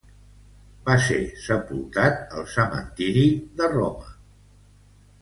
Va ser sepultat al Cementiri del Verano de Roma.